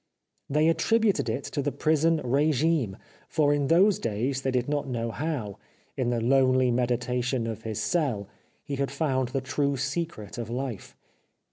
They attributed it to the prison regime ; for in those days they did not know how, in the lonely meditation of his cell, he had found the true secret of life.